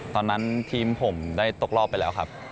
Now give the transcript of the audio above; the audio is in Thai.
ตอนนั้นทีมผมได้ตกรอบไปแล้วครับ